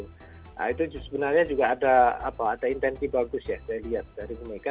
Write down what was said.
nah itu sebenarnya juga ada intenti bagus ya saya lihat dari bumega